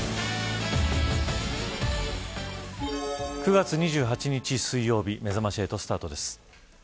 ９月２８日水曜日めざまし８スタートです。